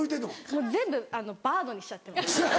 もう全部バードにしちゃってます。